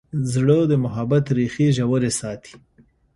زړه د محبت ریښې ژورې ساتي.